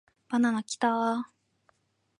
バナナキターーーーーー